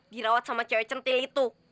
dirawat sama cewek centil itu